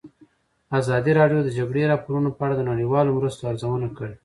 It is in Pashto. ازادي راډیو د د جګړې راپورونه په اړه د نړیوالو مرستو ارزونه کړې.